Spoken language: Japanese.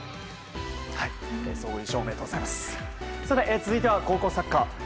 さて、続いては高校サッカー。